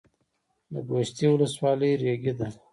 د ګوشتې ولسوالۍ ریګي ده